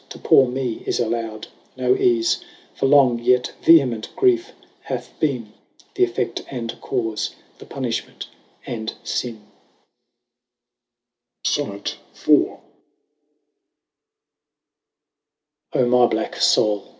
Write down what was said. To (poore) me is allow'd No eafe ; for, long, yet vehement griefe hath beene Th'effect and caufe, the punimment and fmne. IV. OH my blacke Soule !